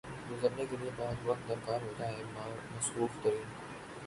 گزرنے کیلیے بہت وقت درکار ہوتا ہے۔ مصروف ترین